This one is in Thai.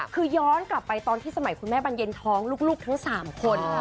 คือย้อนกลับไปตอนที่สมัยคุณแม่บรรเย็นท้องลูกทั้ง๓คน